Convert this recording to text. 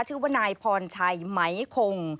ชื่อว่านายพรชัยไหมคง